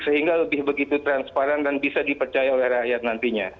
sehingga lebih begitu transparan dan bisa dipercaya oleh rakyat nantinya